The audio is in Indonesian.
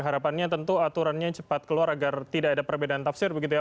harapannya tentu aturannya cepat keluar agar tidak ada perbedaan tafsir begitu ya